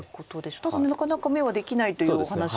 ただなかなか眼はできないというお話も。